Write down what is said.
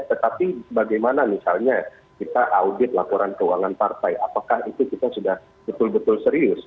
tetapi bagaimana misalnya kita audit laporan keuangan partai apakah itu kita sudah betul betul serius